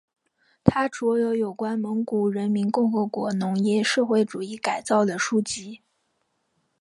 他着有有关蒙古人民共和国农业社会主义改造的书籍。